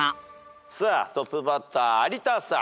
さあトップバッター有田さん。